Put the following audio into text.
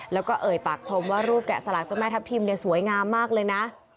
แล้วก็เอ่ยปากชมว่ารูปแกะสลักเจ้าแม่ทัพทิมเนี่ยสวยงามมากเลยนะ